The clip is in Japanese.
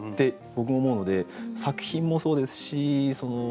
僕も思うので作品もそうですしいろいろ